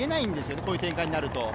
こういう展開になると。